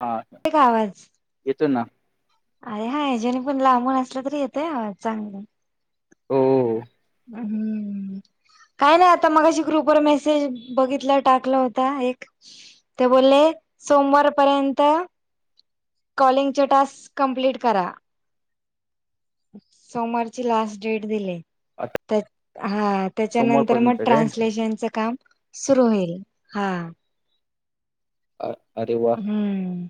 आ. एक आवाज. येतो ना. अरे हा जेने पण लांबून असलं तरी येतंय चांगला. हो. हम्म. काय नाही आता मगाशी ग्रुपवर मेसेज बघितला टाकला होता एक. ते बोलले, सोमवारपर्यंत कॉलिंग चे टास्क, कम्प्लीट करा. सोमवारची लास्ट डेट दिले. आता तर, हा त्याच्यानंतर मग सोमवारपर्यंत काय? ट्रान्सलेशनच काम सुरू होईल, हा. अ, अरे वा. हम्म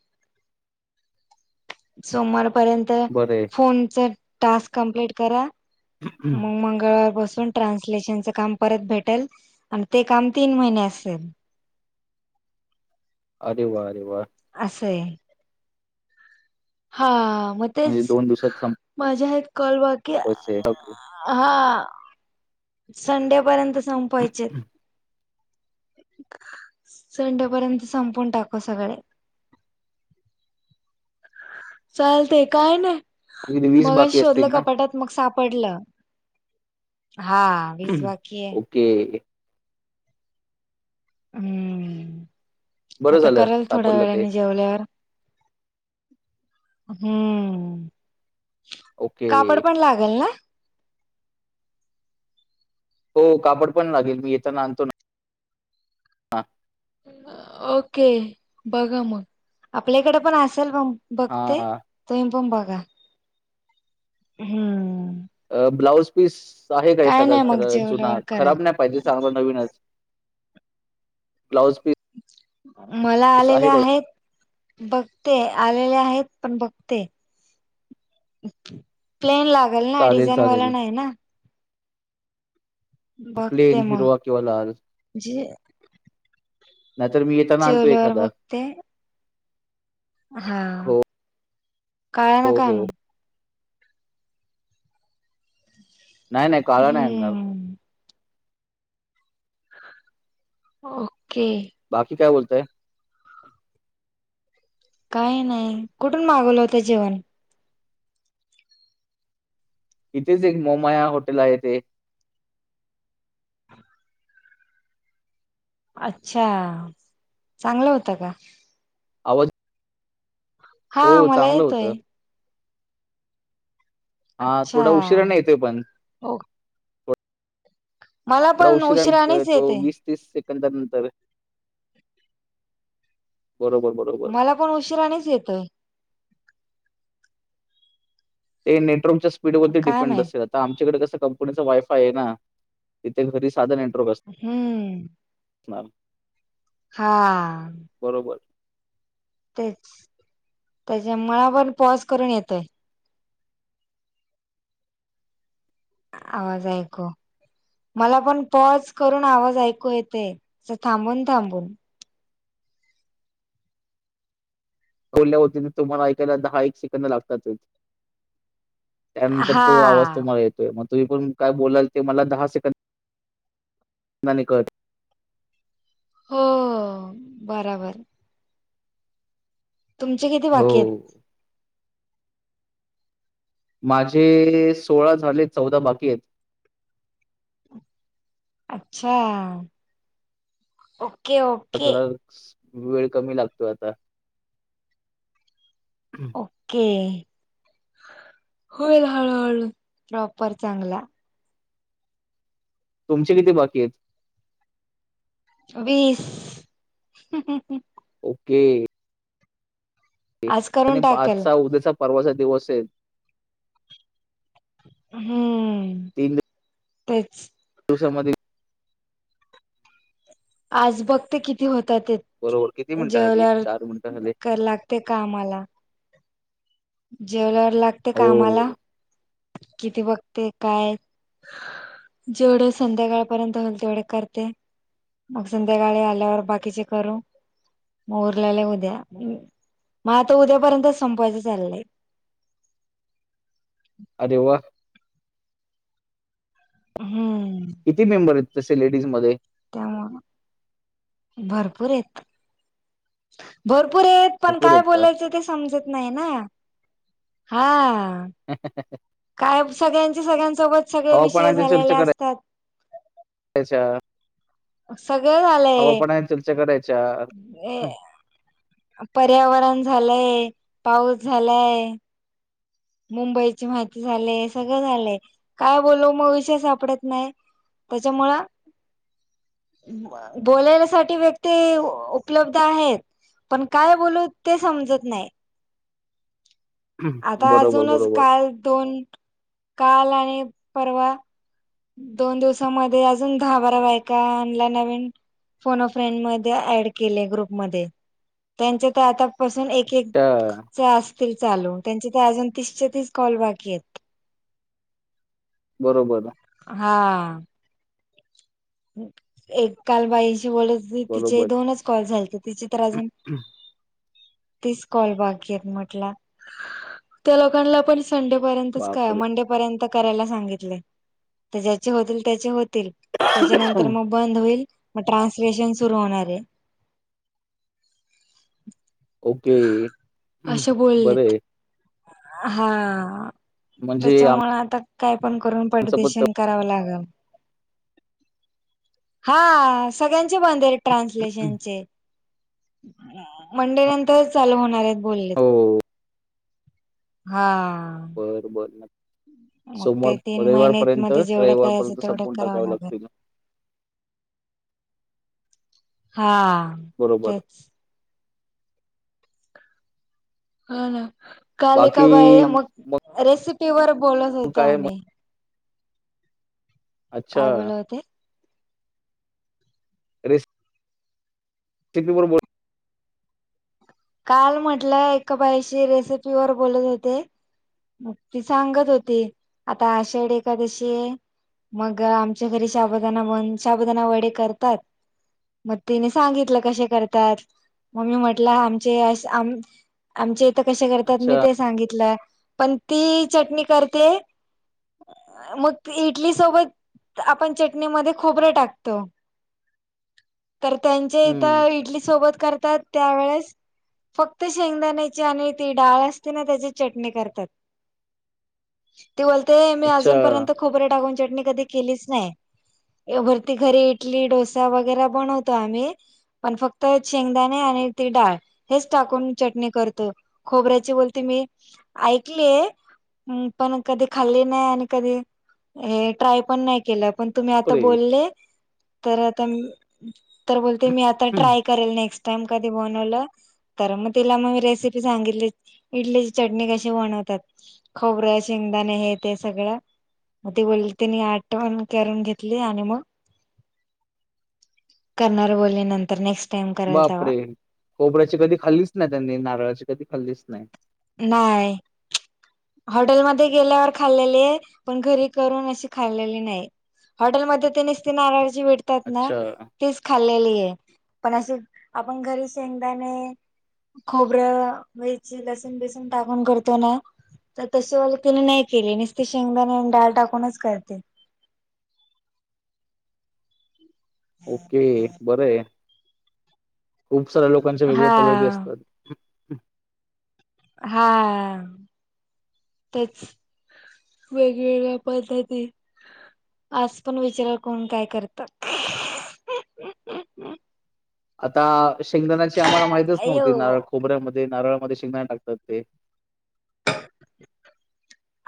सोमवारपर्यंत, बरं आहे. फोनच, टास्क कंमप्लीट करा. मग मंगळवार पासून ट्रान्सलेशनच काम परत भेटेल, आणि ते काम तीन महिने असेल. अरे वा अरे वा. असये. हा म म्हणजे दोन दिवसात सम माझ्या आहेत, कल वात. पैसे टाकू. हा, संडेपर्यंत संपवायचे. संडेपर्यंत संपवून टाकू सगळे. चालतय काय नाही, तुझे वीस मगाशी बाकी शोधलं असतील ना? कपाटात. मग सापडलं, हा. वीस हम, बाकी आहे. ओके. हम्म., बरं आता झालं करल थोड्या सापडलं ते वेळाने जेवल्यावर. हम्म, ओके कापड पण लागल ना. हो कापड पण लागेल मी येताना आणतो ना. ओके, बघा मग, आपल्याकडे पण असेल मग. बघते, हा. तुम्ही पण बघा, हम्म. अ ब्लाऊज पीस, आहे का काय एखादा नाही खर मग जुना जेवल्यावर करेल खराब नाही पाहिजे चांगलं नवीनच. ब्लाउज पीस मला आलेले आहे काय आहेत, बघते. आलेले आहेत. पण बघते. प्लेन लागेल ना चालेल डिझाईन वाला चालेल. नाही ना. बघते, प्लेन मग हिरवा किंवा लाल जे नाही तर मी, येत जेवल्यावर बघते. हा. हो काळा हो नका हो. आणू. नाही नाही काळा नाही आणणार. हम्म ओके. बाकी काय बोलतय. काही नाही, कुठून मागवलं होतं जेवण? इथेच एक मोमाया हॉटेल आहे. ते अच्छा, चांगलं होतं का? आवज हा, मला येतोय. होतं. हा अच्छा थोडा उशिरानं येतोय पण ओ. मला थोडा पण उशीरान उशिराणीच येतो. येते वीस तीस सेकदानंतर. बरोबर बरोबर. मला पण उशिराणीच येतोय. ते नेटवर्कच्या स्पीडवरती काय डिपेंड माहित असल. आता आमच्याकडे कस कंपनीच वायफाय आहे ना. तिथे घरी साध नेटवर्क असत. हम्म. हम्म. हा. बरोबर. तेच त्याच्या मला पण पॉज करून येतोय. आवाज ऐकू मला पण पॉज करून आवाज ऐकू येतेय. असं थांबून थांबून बोलल्यावरती ते तुम्हाला ऐकायला येत दहा एक सेकंद लागतातच. त्यानंतर हा तो आवाज तुम्हाला येतो. मग तुम्ही पण काय बोलाल ते मला दहा सेकंदाने कळत. हो बराबर. तुमचे किती हो. बाकी आहेत? माझे सोळा झाले चौदा बाकी आहेत. अच्छा ओ. आता जरा वेळ कमी लागतो आता. ओके होईल हळहळू प्रॉपर चांगला. तुमचे किती बाकी आहेत? वीस. ओके. आज करून टाकल आजचा उद्याचा परवाचा दिवस आहे. हम्म तीन तेच. दिवसामध्ये आज बघते किती होतात ते बरोबर किती मिनिटं झाली जेवल्यावर चार मिनिटं झाले कर [unintelligible] ते कामाला जेवल्यावर लागते कामाला... हो किती बघती... काय? जेवढं संध्याकाळपर्यंत होईल... तेवढे करते. मग संध्याकाळी... आल्यावर बाकीचे करू. मग उरलेलं उद्या... माझं तर आता उद्यापर्यंतच.. संपवायचं चाललंय. अरे वा हू. किती मेंबर हेत... तसे लेडीज मध्ये? त्यामुळं... भरपूर हेत. भरपूर हेत... पण भरपूर काय आहेत का बोलायचं ते समजत नाई ना... हा. [unintelligible] काय मग... सगळ्यांचे, सगळ्यांसोबत, सगळे विषय हवापणाच्या झालेले असतात हेच्यात... सगळं हवा झालंय पाण्यावर चर्चा करायच्यात. [unintelligible] पर्यावरण झालंय... पाऊस झालाय. मुंबईची माहिती झालय... सगळं झालंय... काय बोलू... मग विषय सापडत नाय. कशामुळा? बोलायल्यासाठी... व्यक्ती उपलब्ध आहेत पण... काय बोलू ते समजत नाय. आता बरोबर अजूनच बरोबर काल.... दोन.... काल आणि परवा दोन दिवसामध्ये.. अजून दहा बारा बायकां आणल्या नवीन फोन अं फ्रेइंड मधे ऍड केले ग्रुप मध्ये... त्याच्या तर आता पसून एक अच्छा केकचे असतील चालू... त्यांचे तर अजून तीसच्या तीस कॉल बाकी हेत. बरोबर ए. हा. एक काल बाईंशी बोलत होते... तिचे ही बरोबर दोनच कॉल झालते.. तिचे तर अजून तीस कॉल बाकी हेत म्हंटला... त्या लोकांना पण संडेपर्यंतच काय... बापरे मंडेपर्यंत करायला सांगितलय.. तर ज्याचे होतील... त्याचे होतील त्याच्यानंतर मग बंद होईल... मग ट्रान्सलेशन सुरू होणार ए. ओके अशे बरं बोललेत... आहे हा. म्हणजे त्याच्यामुळे... आता... काय पण करून आमचं पण पटदिशीन करावं लागल. हा... सगळ्यांचे बंद हेत... ट्रान्सलेशनचे... मंडे नंतर तर चालू होणार हेत... बोलले... हो. हा. बर... बर. मग सोमवार... ते तीन महिन्यात रविवारपर्यंत... मध्ये जेवढं करायचं रविवारपर्यंत तेवढं संपवून करावं टाकावे लागेल. लागतील. हा. बरोबर. तेच हा ना... काल एका बाकी बाईला... मग रेसिपी वर बोलत होतो काय मग? आम्ही अच्छा. काय बोलत होते? टिपी [unintelligible] काल म्हटलं... एका बाईशी रेसिपी वर बोलत होते. मग ती सांगत होती... आता आषाढी एखादशी ए मग... आमच्या घरी शबदाना... म्ह... शबुदाना वडे करतात मग तिने सांगितलं कसे करतात मग मी म्हटलं आम ''--'' चे आमचे इथ कसे करतात मी अच्छा. ते सांगितलं. पण ती चटणी करते. अ मग इडली सोबत आपण चटणीमध्ये खोबरं टाकतो. तर त्यांचे इथ हं. इडली सोबत करतात त्यावेेळेस. फक्त शेंगदाण्याची आणि ती डाळ असते ना त्याची चटणी करतात. ते बोलते मी अच्छा. अजूनपर्यंत खोबरे टाकून चटणी कधी केलीच नाही. ए भरती घरी इटली डोसा वगैरे बनवतो आम्ही. पण फक्त शेंगदाणे आणि ती डाळ. हेच टाकून मी चटणी करत खोबऱ्याची बोलते मी ऐकलीय. हम् पण कधी खाल्ली नाही आणि कधी ट्राय पण नाही केलं. पण तुम्ही आता बापरे! बोलले तर आता मी. तर बोलते मी आता हम्म. ट्राय करेल नेक्स्ट टाइम कधी बनवलं. तर मग तिला मग मी रेसिपी सांगितली इडलीची चटणी कशी बनवतात. खोबर्या शेंगदाणे हे ते सगळं. मग ती बोलली तिने आटवण करून घेतली आणि मग. करणार बोलले नंतर नेक्स्ट. टाइम कराल तेव्हा बापरे खोबऱ्याची कधी खाल्लीच नाही त्यांनी नारळाची कधी खाल्लीच नाही. नाहीय. हॉटेलमध्ये गेल्यावर खाल्लेली आहे पण घरी करून अशी खाल्लेली नाही. हॉटेलमध्ये ते निस्ती नाराजी भेटतात ना. अच्छा. तीच खाल्लेली आहे पण असे आपण घरी शेंगदाणे. खोबर्या वयची लसण बेसून टाकून करतो ना. तर तशी ल तिने नाही केले नुसती शेंगदाणे आणि डाळ टाकूनच करते. ओके बरं हाय. खूप साऱ्या लोकांच्या वेगळ्या हा कॉलिटी असतात. हम्म. हा तेच. वेगवेगळ्या पद्धती आज पण विचार कोण काय करत. आता शेंगदाणाची आम्हाला माहितच अयो नव्हती नारळ खोबऱ्यामध्ये नारळामध्ये शेंगदाणा टाकतात ते.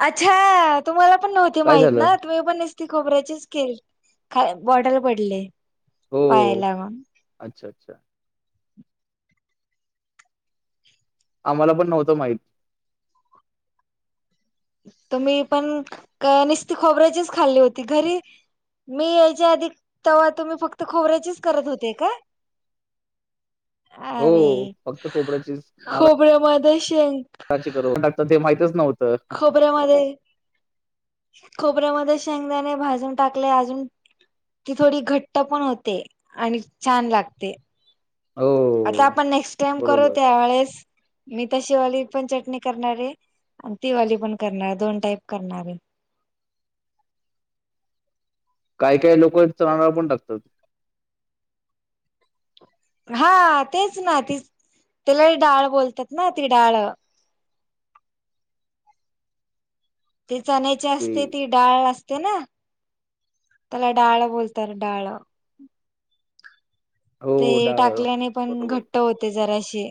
अच्छा तुम्हाला पण नव्हती काय माहित झालं? ना. तु पण नसती खोबऱ्याचीच के ख बॉटल पडले हो. पायाला. अच्छा अच्छा. आम्हाला पण नव्हतं माहित. त म्ही पण नसती खोबऱ्याचीच खाल्ली होती घरी. मी यायच्या आधी तेव्हा तुम्ही फक्त खोबऱ्याचीच करत होते का. अरे हो, फक्त खोबऱ्याचीच खबर्या मध्ये शेंकग ''--'' ते [inaudible] माहच नव्हते खोबऱ्यामध्ये खोबऱ्यामध्ये शेंगदाने भाजून टाकले अजून. ती थोडी घट्ट पण होते आणि छान लागते. आता हो, आपण नेक्स्ट टाइम करू बरोबर. त्यावेेळेस. मी तर शिवाली पण चटणी करणारे आणि तिवाली पण करणार आहे दोन टाईप करणारे. काय काय लोक चणाडाळ पण टाकतात. हा तेच ना तीच त्याला डाळ बोलतात ना ती डाळ. ती चण्यायचे की असते ती. डाळ असते ना त्याला डाळ बोलतात डाळ. हो, ते डाळ टाकल्याने पण घट बरोबर, घट्ट होते जराशी.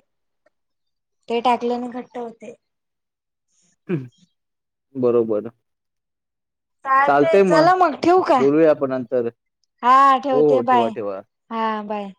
ते टाकल्याने घट्ट होते. हम्म बरोबर. चालते चला मग ठेवू का? बोलूया आपण नंतर. हा हो, ठेवते ठेवा, बाय. ठेवा. हा बाय.